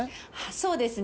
そうですね。